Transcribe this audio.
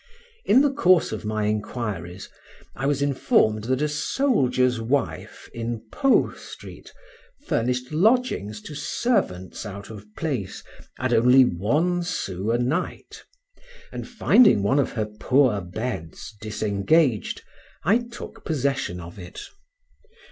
In the course of my inquiries, I was informed that a soldier's wife, in Po street, furnished lodgings to servants out of place at only one sou a night, and finding one of her poor beds disengaged, I took possession of it.